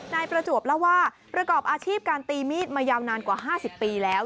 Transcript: นายประจวบเล่าว่าประกอบอาชีพการตีมีดมายาวนานกว่า๕๐ปีแล้ว